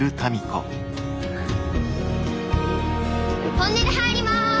トンネル入ります。